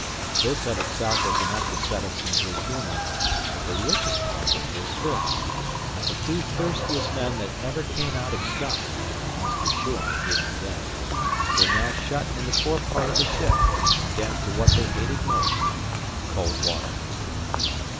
This, of itself, was enough to set us in good humour, but the richest part of it was this, that the two thirstiest men that ever came out of Scotland (Mr. Shuan being dead) were now shut in the fore part of the ship and condemned to what they hated most cold water.